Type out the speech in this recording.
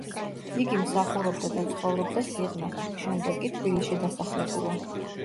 იგი მსახურობდა და ცხოვრობდა სიღნაღში, შემდეგ კი თბილისში დასახლებულა.